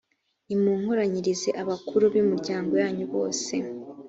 nimunkoranyirize abakuru b’imiryago yanyu bose,